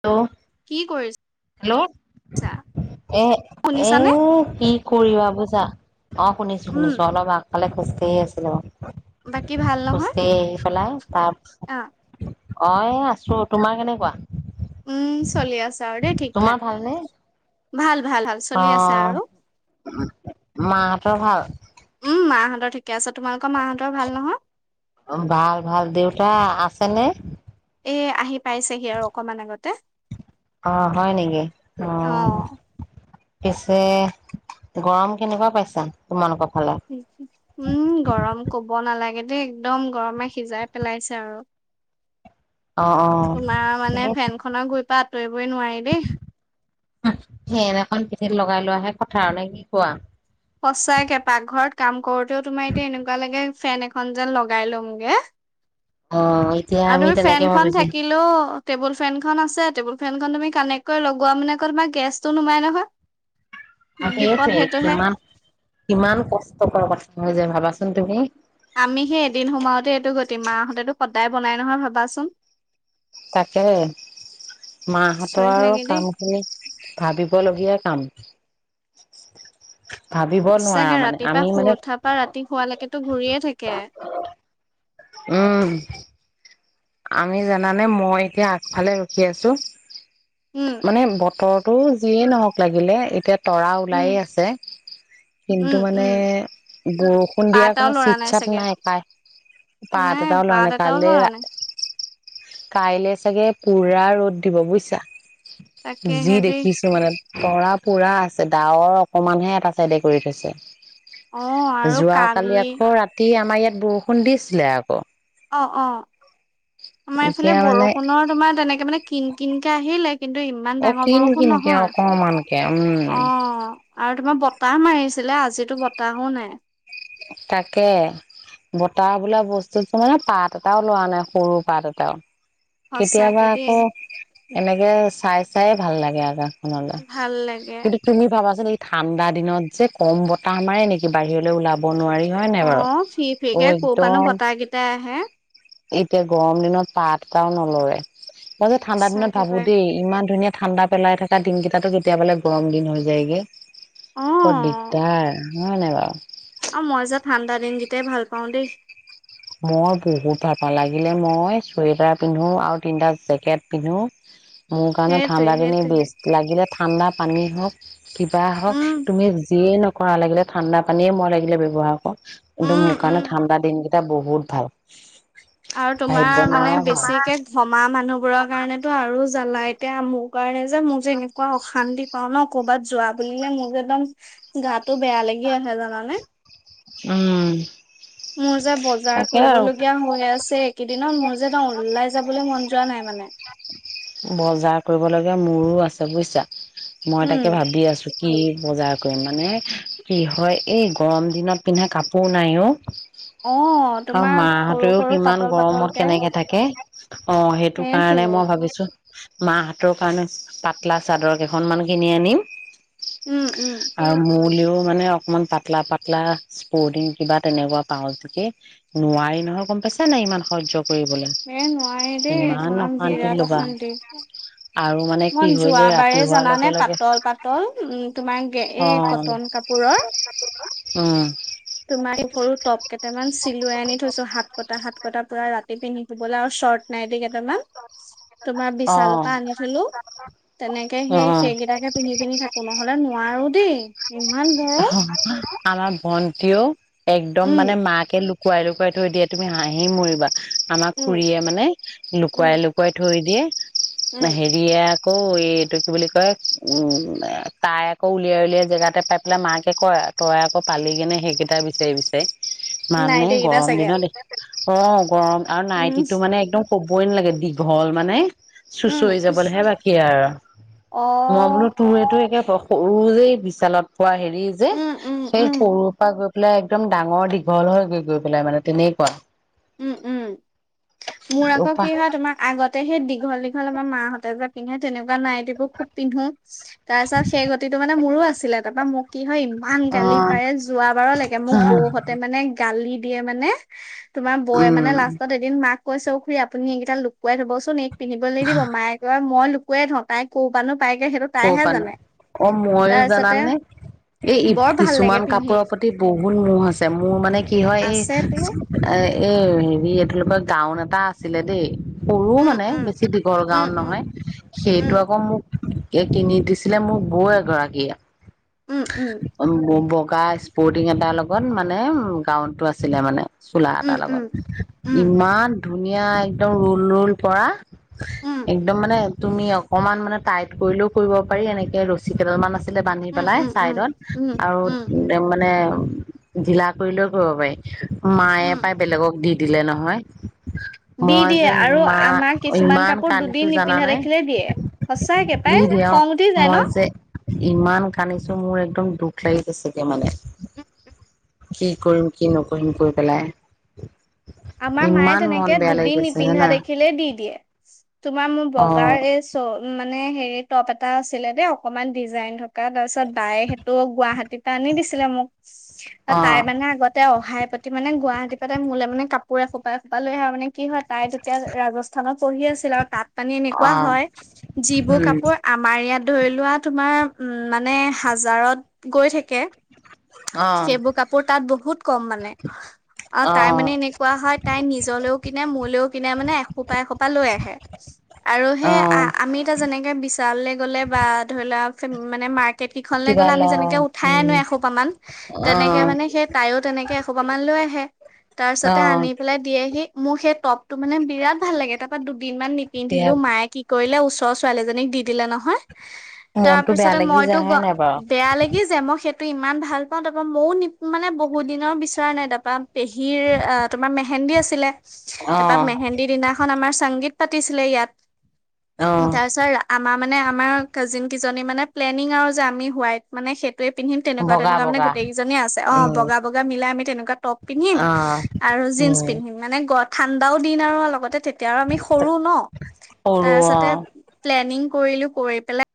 Hello কি কৰিছা? Hello এ, এ শুনিছানে? কি কৰিবা বুইছা অ, শুনিছো উম, শুনিছো অলপ আগ ভালে খোজ কাঢ়ি আছিলোঁ আৰু বাকী ভাল নহয়? খোজ কাঢ়ি আহি পেলাই অ', তাৰপিছত অ আছো তোমাৰ কেনেকুৱা? উম চলি আছে আৰু দেই ঠিকঠাক। ভাল ভাল চলি আছে আহ আৰু। মাহঁতৰ ভাল? উম, মাহঁতৰ ঠিকে আছে। তোমালোকৰ মাহঁতৰ ভাল নহয়? ভাল ভাল ভাল দেউতা আ শুনিছানে এ আহি পাইছেহি আৰু অকনমান আগতে অ হয় নেকি? অ। পিছে গৰম কেনেকুৱা পাইছা তোমালোকৰ? ফালে উম গৰম কব নালাগে দেই একদম গৰমে সিজাই পেলাইছে আৰু। অ অ তোমাৰ মানে ফেন খনৰ গৈ পাত সেই এনেখন পিঠিত লগাই লোৱা হে কথাৰ নে কি কোৱা? সঁচাকে পাকঘৰত কাম কৰোতেও তোমাৰ এতিয়া এনেকুৱা লাগে ফেন এখন যেন লগাই লমগে। অ এতিয়া আৰু আমি তুমি তেনেকে ফেনখন ভাবিছো থাকিলো টেবুল ফেন খন আছে টেবুল ফেনখন তুমি, কানেক্ট কৰি লগোৱা মানে আকৌ তোমাৰ গেছতো নোমাই নহয়। বিপদ আহিছে সেইটোহে কিমান-কিমান কষ্টকৰ কথা নহয় জানো। ভাবাচোন তুমি? আমি সে, ' এদিন সোমাওঁতে এইটো গতি আমাৰ মা ', হতেটো সদায় বনাই নহয় ভাবাচোন। তাকে', মা-হতৰ আচৰিত আৰু লাগে দেই কাম খিনি ভাবিবলগীয়া কাম। ভাবিব নোৱাৰা সঁচাকে মানে ৰাতিপুৱা আমি শুই মানে উঠা পৰা ৰাতি শুৱা লৈকে ঘুৰিয়ে থাকে। উম', আমি জানানে মই এতিয়া আগফালে ৰখি আছো। উম মানে বতৰ ত', যিয়েই নহওঁক লাগিলে এতিয়া তৰা উম ওলায়ে আছে, কিন্তু উম মানে উম বৰষুণ পাত দিয়াৰ এটাও কোনো লৰা চিট-চাট, চাগে নাই -পাই, পাত নাই এটাও লৰা পাত নাই এটাও কাইলে লৰা নাই কাইলে চাগে, পুৰা ৰ'দ দিব বুজিছা। তাকে যি', হেদি দেখিছো মানে কঁহৰা পুৰা আছে, ডাৱৰ অকমানহে এটা চাইডে কৰি থৈছে অ আৰু কালি যোৱাকালি আকৌ ৰাতি আমাৰ ইয়াত বৰষুণ দিছিলে আকৌ। অ-অ। আমাৰ এইফালে এতিয়া মানে বৰষুণৰ তোমাৰ তেনেকে মানে কিন -কিনকে আহিলে কিন্তু ইমান অ ডাঙৰ কিন বৰষুণ কিনকে নহয়, অকমানকে উম অ', আৰু তোমাৰ বত বতাহ মাৰিছিলে, আজিতো বতাহো নাই। তাকে বতাহ বোলা বস্তুতো মানে -পাত এটাও লৰা নাই, সৰু- পাত এটাও। কেতিয়াবা সঁচাকে দেই। আকৌ, এনেকে চাই চায়ে ভাল- লাগে আকৌ। তেনেহলে, ভাল লাগে কিন্তু তুমি ভাবাচোন এ ঠাণ্ডা দিনত যে', কম বতাহ মাৰে নেকি বাহিৰলৈ ওলাব বনোৱাৰি। অ', ফি -ফিকে, কৰ -পানো বতাহ কেইটাই আহে এতিয়া গৰম -দিনত পাত এটাও ন'লৰে। মই যে, ঠাণ্ডাৰ দিনত সঁচাকে ভাবো পাই দেই ইমান ধুনীয়া ঠাণ্ডাত পেলাই থকা দিন কেইটাতো, কেতিয়াবালে গৰম দিন হৈ যায়গে। অ' বৰ -দিগদাৰ। নহৈনে বাৰু? আৰু মই যে', ঠাণ্ডা দিনকেইটাই ভাল পাওঁ দেই। মই বহুত ভাল পাওঁ। লাগিলে মই চুৱেটাৰ পিন্ধো আৰু তিনটা জেকেট পিন্ধো। মোৰ কাৰণে সেইটোৱে ঠাণ্ডা দিনেই সেইটোৱে বেষ্ট লাগিলে ঠাণ্ডাত পানী হওক কিবা হওক উম তুমি যিয়ে কৰা লাগিলে ঠাণ্ডা পানীয়ে মই লাগিলে ব্যৱহাৰ একদম উম মোৰ উম। কাৰণে ঠাণ্ডা দিন তাৰ বহুত ভাল আৰু ভাবিব তোমাৰ মানে নোৱাৰা ভাল। বেছিকে ঘমা মানুহ বোৰৰ কাৰণেতো আৰু জানা এতিয়া মোৰ কাৰণে যে মোৰ যে এনেকুৱা অশান্তি পাওঁ ন ক'ৰবাত যোৱা বুলিলে মোৰ যে একদম গাটো বেয়া কি‌ আহে জানানে উম মোৰ যে বজাৰ তাকে আৰু কৰিবলগীয়া হৈ আছে এইকেইদিনত মোৰ যে ওলাই যাবলৈ মন যোৱা নাই মানে বজাৰ কৰিবলগীয়া মোৰো আছে বুজিছা মই উম, তাকে ভাবি আছো কি বজাৰ কৰিম মানে কি হয় এই গৰম দিনত পিন্ধা কাপোৰ নাই ও অ' আৰু তোমাৰ সৰু মাহঁতেও সৰু সিমান পাতল গৰমত পাতলকে কেনেকে থাকে অ সেইটো কাৰণে সেইটোৱে। মই ভাবিছো মা হেঁতৰ কাৰণে পাতলা চাদৰ কেইখনমান কিনি আনিম। উম, উম, আৰু মোৰ মানে অকমান পাতলা পাতলা স্পৰ্টিং কিবা তেনেকুৱা পাওঁ যদি নোৱাৰি নহয় গম পাইছা নাই ইমান সহ্য কৰিবলৈ এ নোৱাৰি দেই ইমান তোমাৰ অশান্তি বিৰাট ল'বা অশান্তি আৰু মানে কি মই হৈ যায় ৰাতি যোৱাবাৰে হোৱাৰ লগে জানানে লগে পাতল পাতল তোমাৰ অ এই কটন কাপোৰৰ উম তোমাৰ এই সৰু টপ কেইটামান চিলুৱাই আনি থৈছো হাত পতা হাত কটা পৰা ৰাতি পিন্ধি শুবলৈ আৰু শ্বৰ্ট নাই নাই দেই কেইটা মান তোমাৰ অ বিশালৰ পৰা আনি থলো তেনেকে সেই অ সেইকেইটাকে পিন্ধি পিন্ধি থাকো নহ'লে নোৱাৰো দেই ইমান গৰম আমাৰ ভণ্টিও একদম উম মানে মাকে খোৱাই থৈ দিয়ে তুমি হাঁহি মৰিবা আমাৰ উম খুৰীয়ে মানে উম লুকুৱাই লুকুৱাই থৈ দিয়ে না উম হেৰিক অ এইটো কি বুলি কয় উম তাই আকৌ উলিয়াই উলিয়াই জেগাতে পা এইফালে মাকে কয় তই আকৌ পালি গেনে সেইকেইটা বিচাৰি বিচাৰি। মানে নাইটি কেইটা গৰম চাগে দিনত অ গম আৰু উম নাইটিটো মানে একদম ক'বই নালাগে দীঘল মানে উম চুচৰি যাবলৈহে বাকী অ আৰু মই বোলো তৰে তো একে সৰুৰেই বিশালত কোৱা হেৰি যে উম উম সেই উম সৰু পৰা গৈ পেলাই একদম ডাঙৰ দীঘল হৈ গৈ গৈ পেলাই মানে তেনেকুৱা উম উম মোৰ আকৌ উপা কি হয় তোমাৰ আগতে সেই দীঘল দী। 'ল আমাৰ মাহঁতে যে পিন্ধে তেনেকুৱা নাইটিবোৰ খুব পিন্ধো তাৰপিছত সেই গতিটো মানে মোৰো আছিলে তাৰপা মোক কি হয় ইমান গালি পাৰে যোৱা বাৰ লৈকে মোক বৌহতে মানে গালি দিয়ে মানে তোমাৰ বৌয়ে মানে উম লাষ্টত এদিন মাক কৈ খুৰী আপুনি এইেইটা লুকাই থবচোন এক পিন্ধিবলৈ নি দিব মায়ে ক মই লোকো থৌও ক' পৰা নাই অ মইো তাৰপিছতে জানানানে এই বৰ ভাল লাগে কিছুমান পিন্ধি কাপোৰৰ প্ৰতি বহুত ম আছে মোৰ মানে কি হয় এই আছে তোৰ এ হেৰি এইটোলোকৰ গাউন এটা আছিলে দেই সৰুও উম মানে উম বেছি দীঘল উম গাউদ উম নহয় সেইটো উম আকৌ মোক। কিনি দিছিলে মোৰ বৌ এগৰাকীয়ে। উম উম অ ব ব কুকা স্পৰ্টিং এটাৰ লগত মানে গ্ৰাউণ্ডটো আছিলে মানে। চোলা উম এটাৰ লগত উম উম ইমান। ধুনীয়া একদম ৰুল ৰুল পৰা। উম একদম মানে তুমি অকমান মানে টাই কৰিলেও কৰিব পাৰি এনেকে ৰছী কেইটাল মান আছে আছিলে বান্ধি উম পেলাই উম উম উম চাইদত আৰু উম মানে ধিলা কৰিলেও কৰিব পাৰি মায়ে উম পায় বেলেগক দি দিলে নহয়। দি মই দিয়ে যে আৰু আমাক ইমান কিছুমান ইমান কাপোৰ কান্দিছো দুদিন নিপিন্ধা জানানে দেখিলে দিয়ে সঁচা পাই দি কেপাই দিয়ে অ খং উঠি যায় মই ন যে ইমান কান্দিছো মোৰ একদম দুখ লাগি গৈছেগৈ মানে কি কৰিম কি নকৰিম কৈ পেলায় আমাৰ মায়ে তেনেকে দুদিন নিপিন্ধা জানা দেখিলে দি দিয়ে তোমাৰ মোৰ অ বগাৰ এই চল না মানে হে টপ এটা আছিলে দেই অকনমান ডিজাইন থকা তাৰপিছত বায়ে সেইটো গুৱাহাটী তেতিয়া আনিদিছিলে মোক ত অ তাই মানে আগতে অহাই প্ৰতি মানে গোৱাই [unintelligible] মোলে মানে কাপ পোৰে খোপাই খোপাই লৈ আহা মানে কি হয় তাই তেতিয়া ৰাজস্থানত পঢ়ি আছিল ও তাত মানি এনেকুৱা অ হয় যিবোৰ উম কাপোৰ আমাৰ ইয়াত ধৰি লোৱা তোমাৰ উ মানে হাজাৰত গৈ থাকে অ সেইবোৰ কাপোৰ তাত বহুত কম মানে অ তাই মানে এনে কোৱা হয় তাই নিজলৈও কিনে মোৰলৈও কিনে মানে এসোপা এসোপা লৈ আহে আৰু অ হেই আ আমি এটা যেনেকে বিশাললে গলে বা ধৰি লোৱা সিম মানে মাক কেফিখনলে কিবা গ'লে আমি লওঁ যেনেকে উঠাই উম আনো এসোপামান অ তেনেকে মানে সেই তাইও তেনেকে এসোপা মান লৈ আহে তাচত অ তাই আনি পেলাই দিয়েহি মোৰ সেই টপ টো মানে বিৰাট ভাল লাগে তাৰপা দোপ দিনমান বিয়া নিপিন্ধিলো মায়ে কি কৰিলে উচ ত ছোৱালীজনীক দি দিলে নহয় মনটো বেয়া তাৰপিছতে লাগি মইতো যায় গ হয় নাই বাৰু বেয়া লাগি যে মই সেত তো ইমান ভাল পাও তাৰাপা মইও নি মানে বহুত দিনৰ বিচৰা নাই তাৰাপা পেহীয়ে এ আপ হেন্দি আছিলে অ তাপা মেহেন্দদি দিনাখন আমাৰ সংগীত পাতিছিলে ইয়াত অ তাৰছত আমাপ মানে আমাৰ কাজিন কিজনী মানে প্লেনিং আৰু যে আমি হোৱাই মানে চে তোৱে পিন্ধিম তেনেকুৱা বগা তেনেকুৱা মানে বগা গোটেইকেইজনীয়ে আছে অ উম বগা বগা মিলাই আমি তেনেকুৱা টপ পিন্ধিম অ আৰু জিঞ্চ উম পিন্ধিম মানে গত ঠাণ্ডাও দিন আউ লগতে টেট তেওঁ আমি সৰু ন সৰু অ তাৰপিছতে প্লেনিং কৰিলো কৰি পেলাই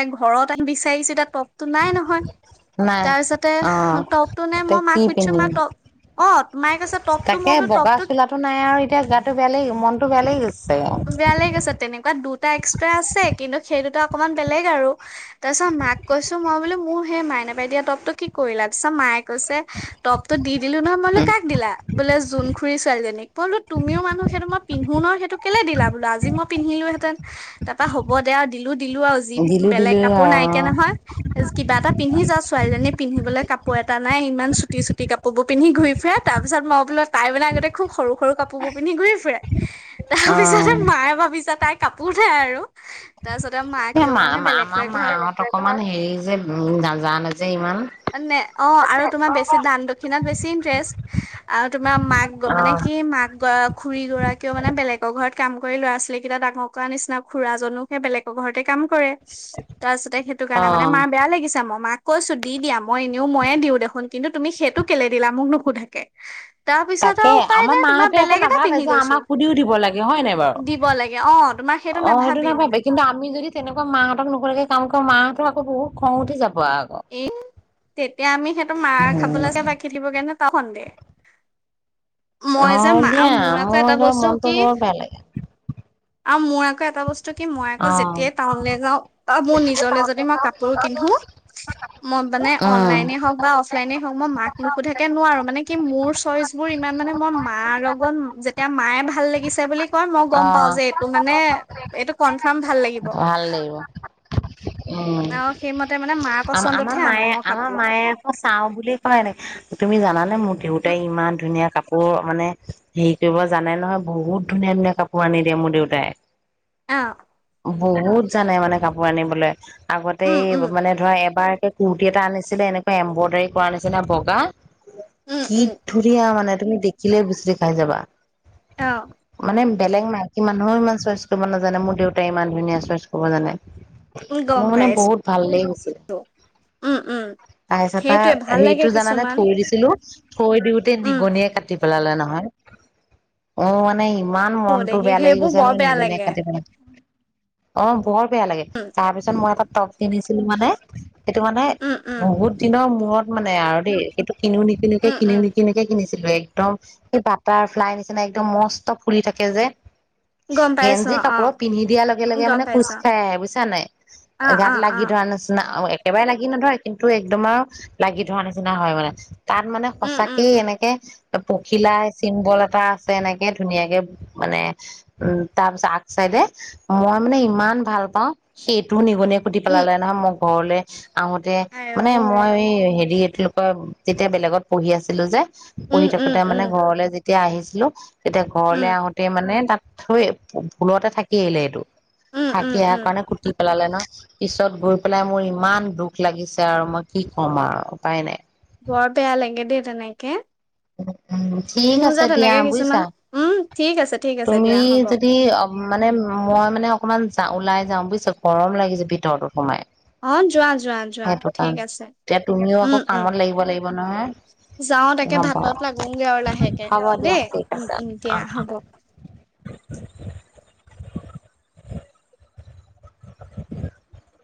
ত ঘৰত আহি বিচাৰিছে তাত [unintelligible] টপটো নাই নহয়। নাই তাৰপিছতে অ টপতটো নাই মই এতিয়া মাক কি সুধিছো মা পিন্ধিম টপ অ মায় কৈছে টপতটো তাকে মই বোলো বগা টপতটো চোলাটো নাই আৰু এতিয়া গাটো বেয়া লাগি মনটো বেয়া লাগি গৈছে বেয়া লাগে গৈছে তেনেকুৱা দুটা টা এক্সট্ৰা আছে কিন্তু সেই দুটা অকণমান। বেলেগ আৰু তাৰপিছত মাক কৈছোঁ মই বোলো মোৰ সেই মাইনা বাই দিয়া টপটো কি কৰিলা? তাৰপাছত মায়ে কৈছে টপটো দি দি দিলো নহয়। মই বোলো উম কাক দিলা? বোলে জোন খুৰী ছোৱালীজনীক। বোলো তুমিও মানুহ সেইটো মই পিন্ধো মোৰ ন সেইটো কেলে দিলা বোলো, আজি মই পিন্ধিলো হেতেন তাৰ পৰা হ'ব দে আও দিলো দিলো আও ঢিলো দিলো বেলেগ কাপোৰ নাই দিয়া আৰু নহয় কিবা এটা পিন্ধি যা ছোৱালীজনীয়ে পিন্ধিবলে কাপোৰ কাপোৰ এটা নাই ইমান চুটি চুটি কাপোৰ বোৰ পিন্ধি ঘূৰি ফুৰে তাৰ পিছত মই বোলো তাই মানে আগতে খুব সৰু সৰু কাপোৰ বোৰ পিন্ধি ঘূৰি ফুৰে। তাৰ অ পিছতে মায়ে ভাবিছে তাই কাপোৰ নাই আৰু। তাৰপিছতে মাক এই মা মা আমাৰ মা হত অকণমাণ হেৰি যে উম নাজানে যে ইমান। নে অ আৰু তোমাৰ বেছি দান দক্ষিণাত বেছি ইন্টাৰেষ্ট আৰু তোমাৰ মাক অ মানে কি মাক খুৰী গৰাকীও মানে বেলেগৰ ঘৰত কাম কৰি ল'ৰা ছোৱালী কেইটা ডাঙৰ কৰা নিচিনা খুড়া জনো সেই বেলেগৰ ঘৰতে কাম কৰে তাৰপিছতে সেইটো অ কাৰণে মানে মাৰ বেয়া লাগিছে মই মাক কৈছো দি দিয়া মই এনেও ময়ে দিওঁ দেখোন কিন্তু তুমি সেইটো কেলে দিলা মোক নোসোধাকে। তাকে আমাৰ মা হতে আকৌ নাভাবে পিন্ধি যে গৈছো আমাক সুধিও দিব লাগে হয় নাই বাৰু দিব লাগে অ তোমাৰ অ সেইটো নাভাবি মানে নাভাবে কিন্তু আমি যদি তেনেকুৱা মাহঁতক নোসোধাকে কাম কৰো মা আকৌ বহুত খং উঠি যাব। আকৌ এ তেতিয়া আমি সেইটো মাৰ উম খাবলে যে বাকি থাকিব নে ত সন্দেহ মই যে হয় মা আৰু দিয়া মোৰ আকৌ এটা মোৰো বস্তু মনটো কি বৰ বেয়া লাগে। আৰু মোৰ আকৌ এটা বস্তু কি মই আকৌ অ যেতিয়াই টাউনলে যাওঁ মোৰ নিজলে যদি মই কাপোৰ কিনো মই মানে উম অনলাইনে হওঁক বা অফলাইনে হওঁক মই মাক নোহোধাকে নোৱাৰো মানে কি মোৰ চইচ বোৰ ইমান মানে মই মাৰ লগত যেতিয়া মায়ে ভাল লাগিছে বুলি কয় মই অ গম পাওঁ যে এইটো মানে এইটো কনফাৰ্ম ভাল লাগিব। ভাল লাগিব। অ আৰু সেইমতে মানে মাৰ আমাৰ পচন্দতহে আনো মায়ে মই আমাৰ কাপোৰ। মায়ে আকৌ চাওঁ বুলি কয়, তুমি জানেনে মোৰ উম, দেউতাই ইমান ধুনীয়া কাপোৰ মানে হেৰি কৰিব জানে নহয়, বহুত ধুনীয়া ধুনীয়া কাপোৰ আনি দিয়ে মোৰ দেউতাই অ বহুত জানে মানে কাপোৰ আনিবলে আগতেই উম, উম, মানে ধৰা এবাৰকে কুৰ্তি এটা আনিছিলে এনেকুৱা এম্ব্ৰইডাৰী কৰা নিছিনা বগা উম, কি উম, ধুনীয়া মানে তুমি দেখিলে গুচি খাই যাবা অ, মানে বেলেগ নাই ইমানুহও ইমান চইচ কৰিব নাজানে মোৰ দেউত [unintelligible] ইমান ধুনীয়া চয়েছ কব জানে, উম, গম মোৰ মানে পাইছো। বহুত ভাল লাগি গৈছিল। উম, উম, তাৰিছ ত সেইটোৱে ভাল লাগে হেৰিটো জানানে কিছুমান। থৈ দিছিলো থৈ দিওতে উম, নিগনিয়ে কাটি পেলালে নহয়, অ মানে ইমান ও মনতটো দেখি বেয়া লাগি সেইবোৰ গৈছে ন বৰ বেয়া নিগনিয়ে লাগে। কাটিব অ বত বেয়া লাগে উম, তাৰ পিছত মই এটা টপ পিন্ধিছো চনেমালে [unintelligible] সেইটো মানে উম, উম, বহুত দিনৰ মূৰত মানে আৰু দেই সেইটো কিনিও নিকিনে উম, উম, কিনিও নিকিনেকে কিনি সেই একদম সেই বাটাৰ ফ্লাই নিচিনা একদম মস্ত ফুলি থাকে যে গম পাইছো গেঞ্জি অ কাপোৰত পিন্ধি দিয়াৰ লগে লগে গম মানে খোজ পাইছোঁ খাই আহে বুজিছা নাই অ', গাত অ', লাগি অ', ধৰা নিচিনা একেবাৰে লাগি নধৰে কিন্তু একদম আৰু লাগি ধৰা নিচিনা হয় মানে তাত মানে উম, উম, সঁচাকেই উম, এনেকে পখিলা চিম্বল এটা আছে এনেকে ধুনীয়াকে মানে উম তাৰ পিছত আগ চাইডে মই মানে ইমান ভাল পাওঁ সেইটো নিক বুনেধি উম, পালে নহ ম হলে [unintelligible] আহোতে আইঔ মানে মই এই হেৰি তেওঁলোকৰ যেতিয়া বেলেগত পঢ়ি আছিলো যে উম, পঢ়ি উম, থাকোতে উম, মানে ঘৰলে যেতি যেতিয়া আহিছিলো তেতিয়া ঘৰলৈ উম, আহোতে মানে তাক থৈ ভুলতে থাকি আহিলে এইটো উম, উম, থাকি উম, কাৰণে কুুৰ্তি পেলালে ন পিছত গৈ পেলাই মোৰ ইমান দুখ লাগিছে আৰু মই কি কম আৰু উপায় নাই। বৰ বেয়া লাগে দেই তেনেকে। উম ঠিক মোৰ যে আছে দিয়া তেনেকে কিছুমান বুজিছা। উম, ঠিক আছে, ঠিক আছে তুমি দিয়া হ'ব। যদি মানে মই মানে অকমান যা ওলাই যাওঁ বুজিছ গৰম লাগিছে ভিতৰতো সোমাই অ যোৱা যোৱা যোৱা সেইটো কাৰণে ঠিক আছে এতিয়া তুমিও আকৌ উম, উম কামত লাগিব লাগিব নহয় যাও তাকে হ'ব ভাতত লাগোগে আৰু লাহেকে হ'ব দিয়া দেই ঠিক উম আছে উম দিয়া হব। [unintelligible] [inaudible]